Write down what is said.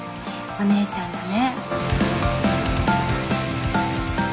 おねえちゃんだね。